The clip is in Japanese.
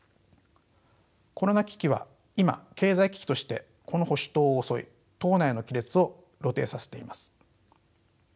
コロナ危機は今経済危機としてこの保守党を襲い党内の亀裂を露呈させています。